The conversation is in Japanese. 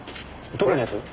どこのやつ？